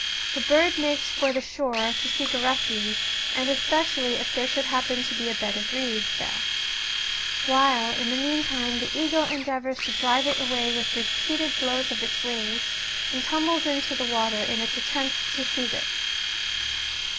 The bird makes for the shore to seek a refuge, and especially if there should happen to be a bed of reeds there ; while in the meantime the eagle endeavours to drive it away with repeated blows of its wings, and tumbles into the water in its attempts to seize it.